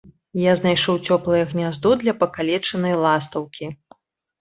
Я знайшоў цёплае гняздо для пакалечанай ластаўкі.